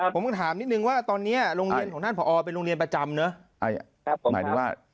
ผมก็ถามนิดนึงว่าตอนนี้โรงเรียนของท่านผอเป็นโรงเรียนประจำเนอะหมายถึงว่า